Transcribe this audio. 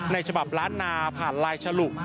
ในฉบับล้านนาผ่านลายฉลุ